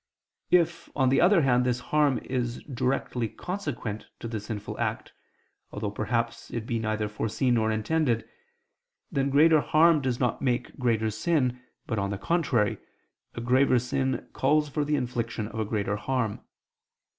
If, on the other hand, this harm is directly consequent to the sinful act, although perhaps it be neither foreseen nor intended, then greater harm does not make greater sin, but, on the contrary, a graver sin calls for the infliction of a greater harm.